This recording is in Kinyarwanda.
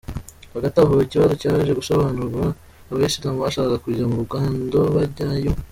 Hagati aho, ikibazo cyaje gusobanurwa, Abayisilamu bashakaga kujya mu rugendo bajyayo.